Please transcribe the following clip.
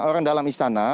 orang dalam istana